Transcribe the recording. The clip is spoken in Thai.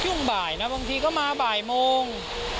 ช่วงบ่ายนะบางทีก็มาบ่ายโมง